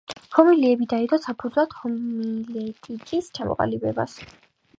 ჰომილიები დაედო საფუძვლად ჰომილეტიკის ჩამოყალიბებას.